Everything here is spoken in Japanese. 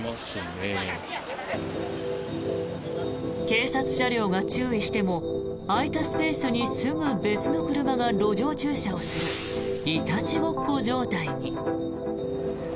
警察車両が注意しても空いたスペースにすぐ別の車が路上駐車をするいたちごっこ状態に。